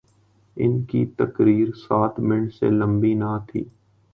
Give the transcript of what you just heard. ان کی تقریر سات منٹ سے لمبی نہ تھی۔